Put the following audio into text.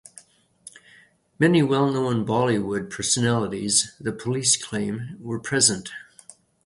Many wellknown Bollywood personalities, the police claim, were present.